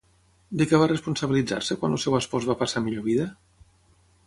De què va responsabilitzar-se quan el seu espòs va passar a millor vida?